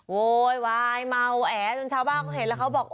โวยวายเมาแอจนชาวบ้านเขาเห็นแล้วเขาบอก